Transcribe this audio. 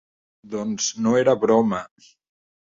Doncs no era broma.